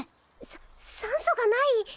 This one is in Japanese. さ酸素がない！？